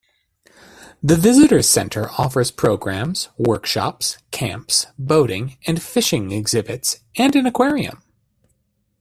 The visitors' center offers programs, workshops, camps, boating and fishing exhibits and an aquarium.